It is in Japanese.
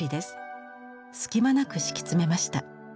隙間なく敷き詰めました。